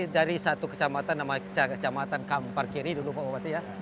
dari satu kecamatan sama kecamatan kampar kiri dulu pak bupati ya